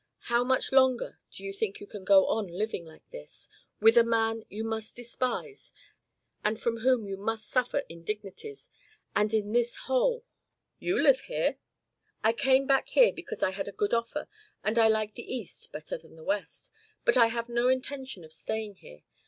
How much longer do you think you can go on living like this? with a man you must despise and from whom you must suffer indignities and in this hole " "You live here " "I came back here because I had a good offer and I like the East better than the West, but I have no intention of staying here.